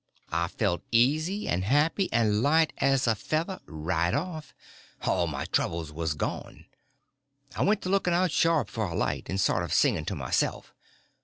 I felt easy and happy and light as a feather right off. All my troubles was gone. I went to looking out sharp for a light, and sort of singing to myself.